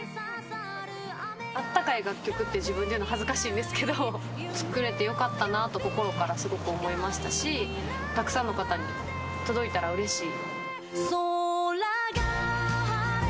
あったかい楽曲って自分で言うのも恥ずかしいんですけど、作れてよかったなって、心からすごく思いましたし、たくさんの方に届いたらうれしい。